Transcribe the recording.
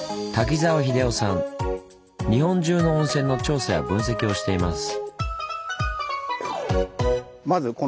日本中の温泉の調査や分析をしています。